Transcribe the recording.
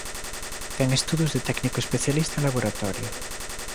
Ten estudos de Técnico Especialista en Laboratorio.